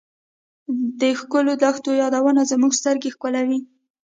د ښکلو دښتو بادونو زموږ سترګې ښکلولې.